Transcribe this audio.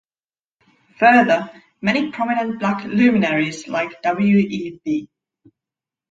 Further, many prominent black luminaries like W. E. B.